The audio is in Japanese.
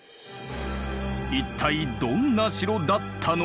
一体どんな城だったのか？